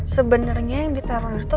sebenernya yang diterorir itu